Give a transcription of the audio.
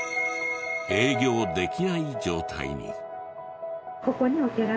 営業できない状態に。